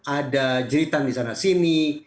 ada jeritan di sana sini